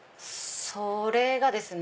それがですね